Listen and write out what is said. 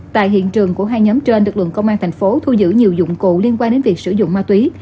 tại hiện trường của hai nhóm trên lực lượng công an thành phố thu giữ nhiều dụng cụ liên quan đến việc sử dụng ma túy